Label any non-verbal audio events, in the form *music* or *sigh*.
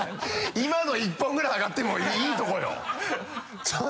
今の１本ぐらいあがってもいいとこよ *laughs*